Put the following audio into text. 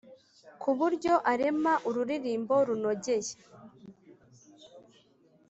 ku buryo arema ururirimbo runogeye